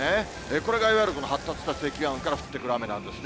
これがいわゆる発達した積乱雲から降ってくる雨なんですね。